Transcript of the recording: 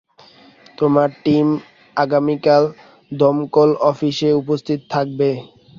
তোমার টিম আগামীকাল দমকল অফিসে উপস্থিত থাকবে।